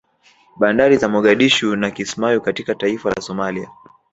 Bandari za Mogadishu na Kismayu katika taifa la Somalia